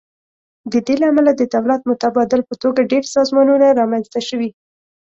د دې له امله د دولت متبادل په توګه ډیر سازمانونه رامینځ ته شوي.